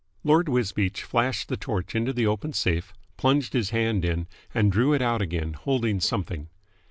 Lord Wisbeach flashed the torch into the open safe, plunged his hand in, and drew it out again, holding something.